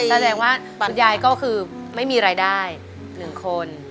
แสดงว่าคุณยายก็คือไม่มีรายได้๑คน